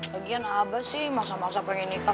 lagian abah sih maksa maksa pengen nikah